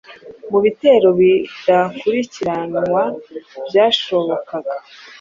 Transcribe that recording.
Mubitero bidakurikiranwa byashobokaga